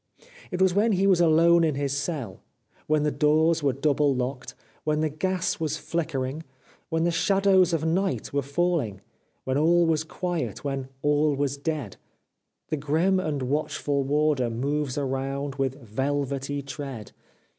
It was when he was alone in his cell, when the doors were double locked, when the gas was flickering, w^hen the shadows of night were fall ing, when all was quiet, when all was dead. The grim and watchful warder moves around with velvety tread.